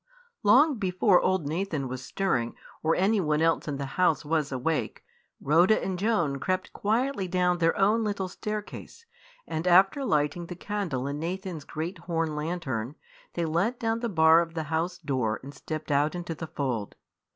Long before old Nathan was stirring, or anyone else in the house was awake, Rhoda and Joan crept quietly down their own little staircase, and after lighting the candle in Nathan's great horn lantern, they let down the bar of the house door and stepped out into the fold.